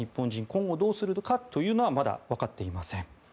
今後どうするのかというのはまだわかっていません。